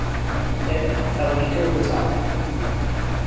Penn and Falaniko Vitale.